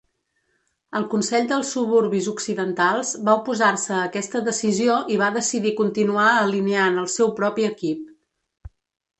El consell dels Suburbis Occidentals va oposar-se a aquesta decisió i va decidir continuar alineant el seu propi equip.